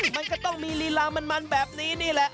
มันก็ต้องมีลีลามันแบบนี้นี่แหละ